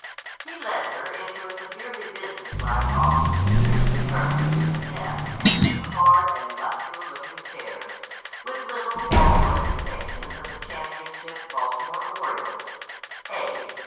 He led her into a severely business like office sparsely furnished with a desk and two hard and muscular looking chairs, with liberal wall ornamentations of the championship Baltimore "Orioles" ("A.